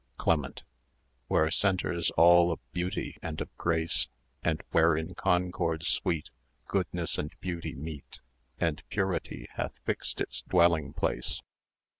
CLEMENT Where centres all of beauty and of grace, And where in concord sweet Goodness and beauty meet, And purity hath fixed its dwelling place.